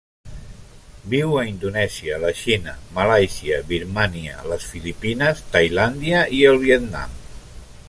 Viu a Indonèsia, la Xina, Malàisia, Birmània, les Filipines, Tailàndia i el Vietnam.